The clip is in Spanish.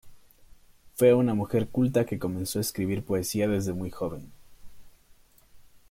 Fue una mujer culta que comenzó a escribir poesía desde muy joven.